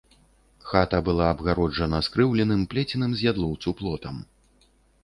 Хата была абгароджана скрыўленым, плеценым з ядлоўцу, плотам.